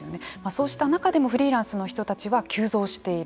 そうした中でもフリーランスの人たちは急増しているわけです。